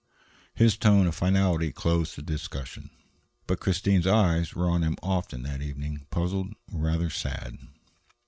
His tone of finality closed the discussion. But Christine's eyes were on him often that evening, puzzled, rather sad.